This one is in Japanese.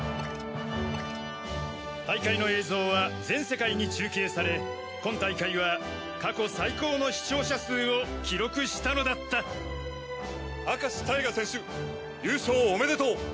大会の映像は全世界に中継され今大会は過去最高の視聴者数を記録したのだった明石タイガ選手優勝おめでとう。